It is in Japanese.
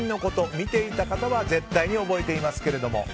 見ていた方は絶対に覚えていますけれども。